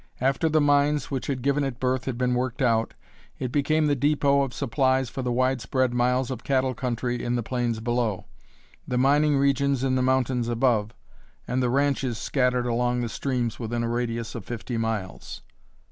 After the mines which had given it birth had been worked out, it became the depot of supplies for the widespread miles of cattle country in the plains below, the mining regions in the mountains above, and the ranches scattered along the streams within a radius of fifty miles.